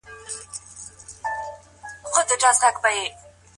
علي بن ابي طالب د میړانې او سخاوت یو نه ماتېدونکی غر و.